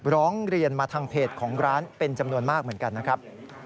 ร้องเรียนมาทางเพจของร้านเป็นจำนวนมากเหมือนกันนะครับ